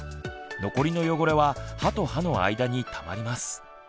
残りの汚れは歯と歯の間にたまります。